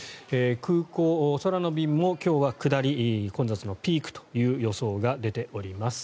空港、空の便も今日は下り混雑のピークという予想が出ております。